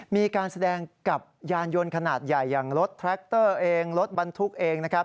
มีการแสดงกับยานยนต์ขนาดใหญ่อย่างรถแทรคเตอร์เองรถบรรทุกเองนะครับ